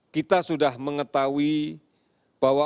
kita sudah mengetahui bahwa